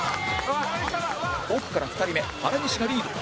奥から２人目原西がリード